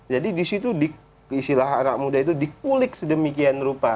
jadi disitu dikulik sedemikian rupa